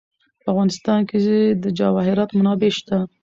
په افغانستان کې د جواهرات منابع شته.